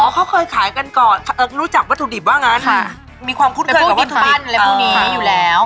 เขาเคยขายกันก่อนรู้จักวัตถุดิบว่างั้นมีความคุ้นเคยกับวัตถุปั้นอะไรพวกนี้อยู่แล้ว